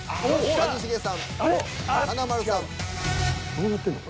どうなってんの？